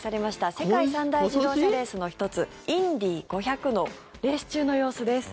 世界三大自動車レースの１つインディ５００のレース中の様子です。